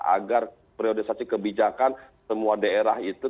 agar priorisasi kebijakan semua daerah itu